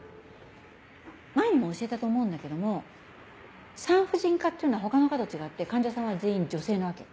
前にも教えたと思うんだけども産婦人科っていうのは他の科と違って患者さんは全員女性なわけ。